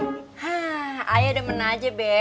hah ayah demen aja be